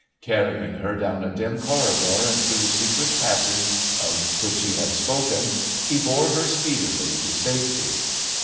Carrying her down a dim corridor and through the secret passage of which he had spoken, he bore her speedily to safety.